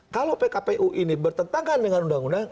kalau pkpu ini bertentangan dengan undang undang